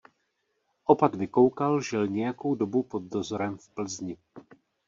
Opat Vykoukal žil nějakou dobu pod dozorem v Plzni.